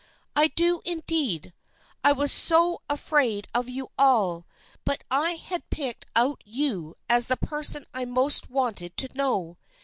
" I do indeed ! I was so afraid of 3'ou all, but I had picked out you as the person I most wanted to know.